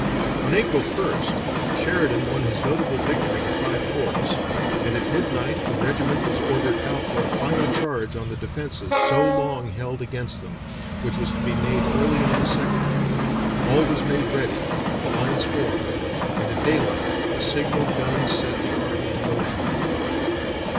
On April 1st, Sheridan won his notable victory at Five Forks, and at midnight the regiment was ordered out for a final charge on the defences so long held against them, which was to be made early on the 2nd. All was made ready, the lines formed, and at daylight the signal gun set the army in motion.